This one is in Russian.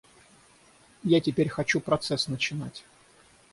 Я теперь хочу процесс начинать.